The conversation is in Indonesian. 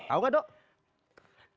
tau gak dong